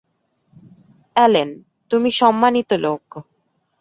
Allen, তুমি সম্মানিত লোক।